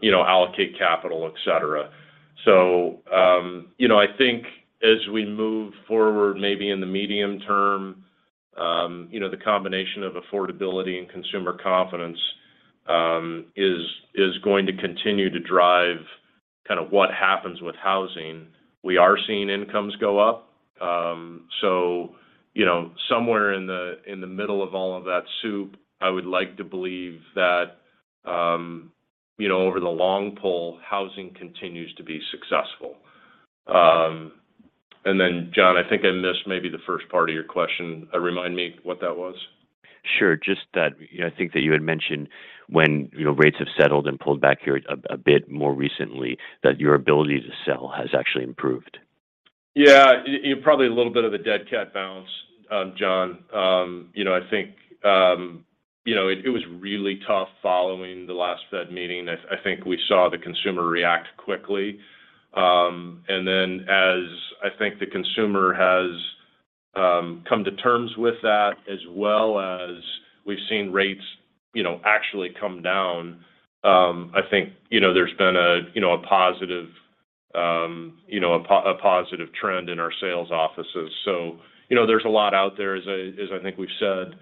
you know, allocate capital, et cetera. You know, I think as we move forward, maybe in the medium term, you know, the combination of affordability and consumer confidence is going to continue to drive kind of what happens with housing. We are seeing incomes go up. You know, somewhere in the middle of all of that soup, I would like to believe that, you know, over the long haul, housing continues to be successful. John, I think I missed maybe the first part of your question. Remind me what that was. Sure. Just that, you know, I think that you had mentioned when, you know, rates have settled and pulled back here a bit more recently, that your ability to sell has actually improved. Yeah. Probably a little bit of a dead cat bounce, John. You know, I think, you know, it was really tough following the last Fed meeting. I think we saw the consumer react quickly. Then as I think the consumer has come to terms with that, as well as we've seen rates, you know, actually come down, I think, you know, there's been a, you know, a positive trend in our sales offices. You know, there's a lot out there, as I think we've said,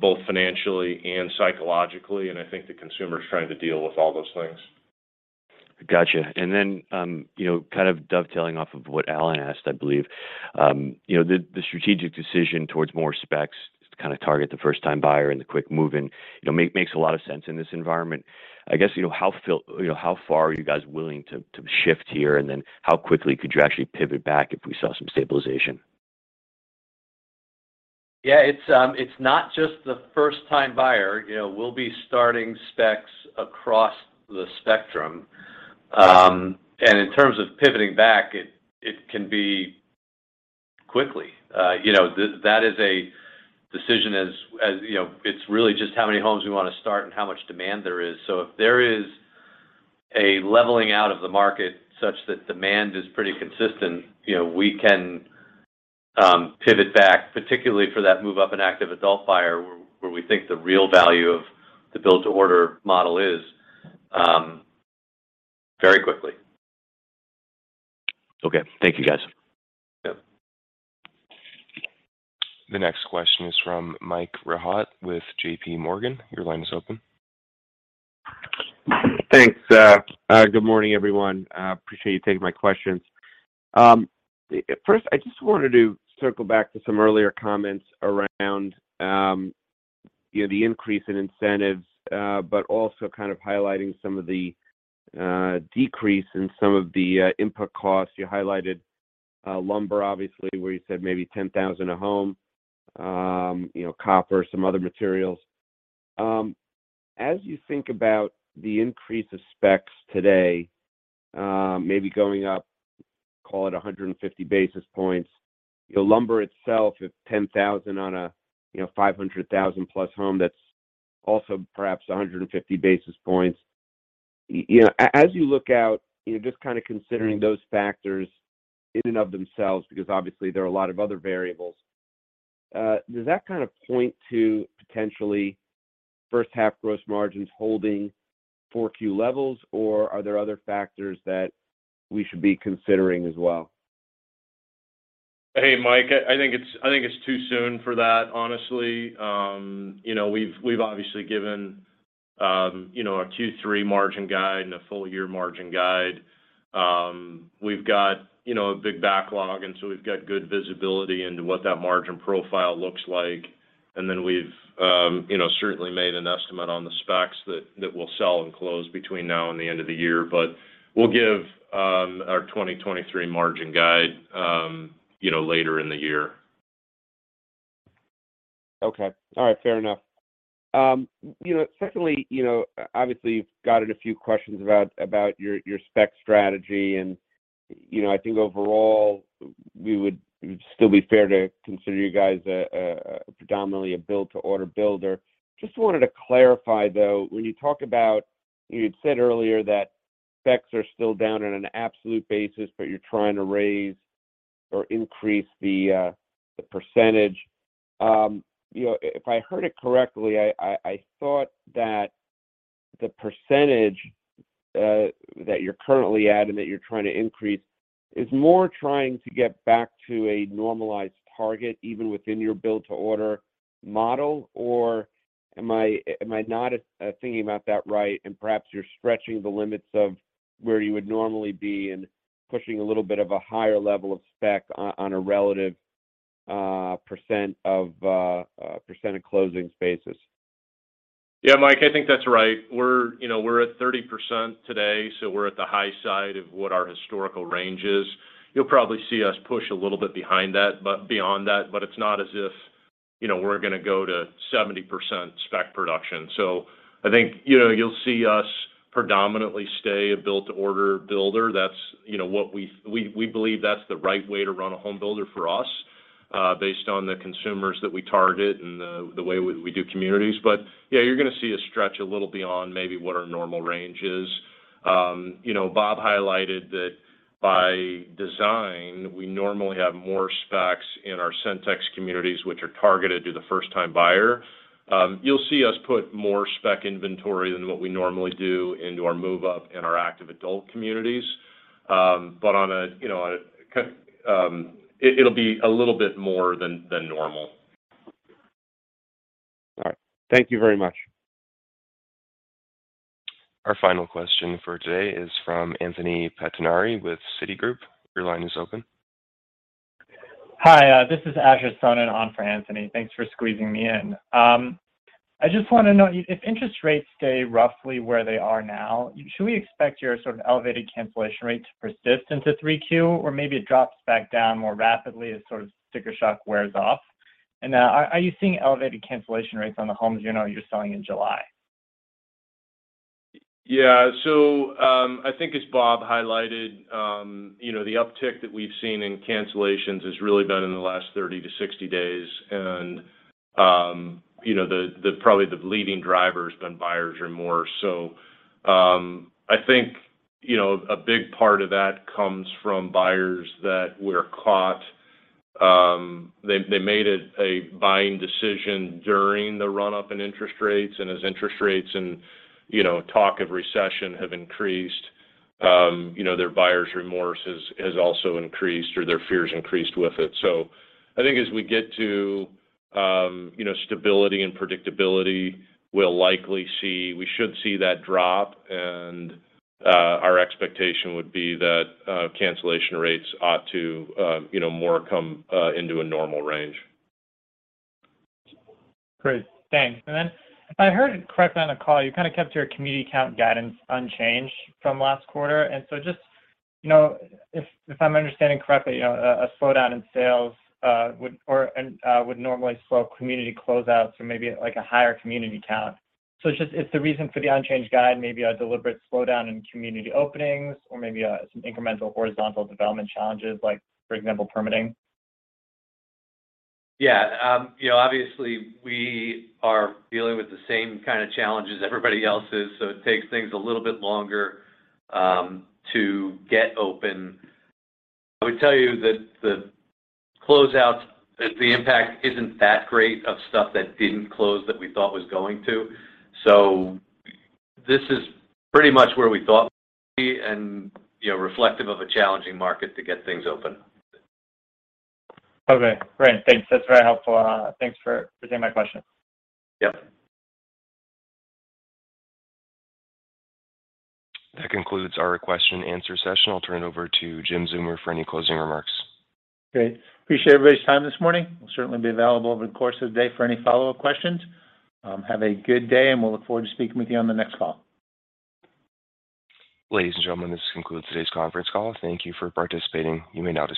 both financially and psychologically, and I think the consumer's trying to deal with all those things. Gotcha. You know, kind of dovetailing off of what Alan asked, I believe. You know, the strategic decision towards more specs to kind of target the first-time buyer and the quick move-in, you know, makes a lot of sense in this environment. I guess, you know, how far are you guys willing to shift here, and then how quickly could you actually pivot back if we saw some stabilization? Yeah. It's not just the first-time buyer. You know, we'll be starting specs across the spectrum. In terms of pivoting back, it can be quickly. You know, that is a decision as you know, it's really just how many homes we wanna start and how much demand there is. If there is a leveling out of the market such that demand is pretty consistent, you know, we can pivot back, particularly for that move-up and active adult buyer, where we think the real value of the build to order model is very quickly. Okay. Thank you, guys. Yep. The next question is from Mike Rehaut with JPMorgan. Your line is open. Thanks. Good morning, everyone. Appreciate you taking my questions. First, I just wanted to circle back to some earlier comments around, you know, the increase in incentives, but also kind of highlighting some of the decrease in some of the input costs. You highlighted lumber, obviously, where you said maybe $10,000 a home, you know, copper, some other materials. As you think about the increase of specs today, maybe going up, call it 150 basis points, you know, lumber itself is $10,000 on a, you know, $500,000 plus home, that's also perhaps 150 basis points. You know, as you look out, you know, just kind of considering those factors in and of themselves, because obviously there are a lot of other variables, does that kind of point to potentially H1 gross margins holding 4Q levels, or are there other factors that we should be considering as well? Hey, Mike. I think it's too soon for that, honestly. You know, we've obviously given a Q3 margin guide and a full year margin guide. We've got a big backlog, and so we've got good visibility into what that margin profile looks like. We've certainly made an estimate on the specs that will sell and close between now and the end of the year. We'll give our 2023 margin guide later in the year. Okay. All right. Fair enough. You know, secondly, you know, obviously, you've gotten a few questions about your spec strategy and, you know, I think overall it would still be fair to consider you guys a predominantly a build to order builder. Just wanted to clarify, though, when you talk about, you know, you'd said earlier that specs are still down on an absolute basis, but you're trying to raise or increase the percentage. You know, if I heard it correctly, I thought that the percentage that you're currently at and that you're trying to increase is more trying to get back to a normalized target, even within your build to order model, or am I not thinking about that right, and perhaps you're stretching the limits of where you would normally be and pushing a little bit of a higher level of spec on a relative percent of closings basis? Yeah, Mike, I think that's right. We're, you know, we're at 30% today, so we're at the high side of what our historical range is. You'll probably see us push a little bit beyond that, but it's not as if, you know, we're gonna go to 70% spec production. I think, you know, you'll see us predominantly stay a build to order builder. That's, you know, what we believe that's the right way to run a home builder for us, based on the consumers that we target and the way we do communities. Yeah, you're gonna see us stretch a little beyond maybe what our normal range is. You know, Bob highlighted that by design, we normally have more specs in our Centex communities, which are targeted to the first-time buyer. You'll see us put more spec inventory than what we normally do into our move-up and our active adult communities. You know, it'll be a little bit more than normal. All right. Thank you very much. Our final question for today is from Anthony Pettinari with Citigroup. Your line is open. Hi. This is Asher Sohnen on for Anthony. Thanks for squeezing me in. I just wanna know if interest rates stay roughly where they are now, should we expect your sort of elevated cancellation rate to persist into three Q, or maybe it drops back down more rapidly as sort of sticker shock wears off? Are you seeing elevated cancellation rates on the homes, you know, you're selling in July? Yeah. I think as Bob highlighted, you know, the uptick that we've seen in cancellations has really been in the last 30-60 days. You know, probably the leading driver has been buyer's remorse. I think, you know, a big part of that comes from buyers that were caught They made it a buying decision during the run-up in interest rates. As interest rates and, you know, talk of recession have increased, you know, their buyer's remorse has also increased or their fears increased with it. I think as we get to, you know, stability and predictability, we should see that drop, and our expectation would be that cancellation rates ought to, you know, more come into a normal range. Great. Thanks. Then if I heard it correctly on the call, you kinda kept your community count guidance unchanged from last quarter. Just you know if I'm understanding correctly, you know a slowdown in sales would normally slow community closeouts or maybe like a higher community count. Is the reason for the unchanged guide maybe a deliberate slowdown in community openings or maybe some incremental horizontal development challenges, like for example permitting? Yeah. You know, obviously, we are dealing with the same kinda challenges everybody else is, so it takes things a little bit longer to get open. I would tell you that the closeouts, the impact isn't that great of stuff that didn't close that we thought was going to. This is pretty much where we thought we'd be and, you know, reflective of a challenging market to get things open. Okay, great. Thanks. That's very helpful. Thanks for taking my question. Yep. That concludes our question and answer session. I'll turn it over to Jim Zeumer for any closing remarks. Great. Appreciate everybody's time this morning. We'll certainly be available over the course of the day for any follow-up questions. Have a good day, and we'll look forward to speaking with you on the next call. Ladies and gentlemen, this concludes today's conference call. Thank you for participating. You may now disconnect.